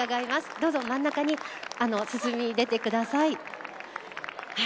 どうぞ真ん中に進み出てください。